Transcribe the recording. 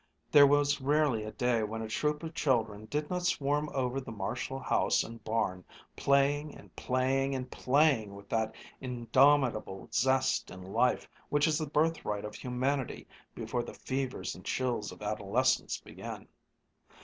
There was rarely a day when a troop of children did not swarm over the Marshall house and barn, playing and playing and playing with that indomitable zest in life which is the birthright of humanity before the fevers and chills of adolescence begin.